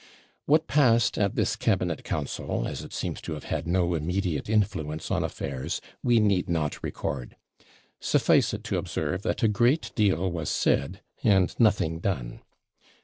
What passed at this cabinet council, as it seems to have had no immediate influence on affairs, we need not record. Suffice it to observe, that a great deal was said, and nothing done.